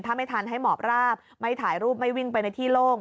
ถ้าไม่ทันให้หมอบราบไม่ถ่ายรูปไม่วิ่งไปในที่โล่ง